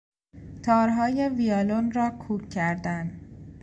تارهای ویولن را کوک کردن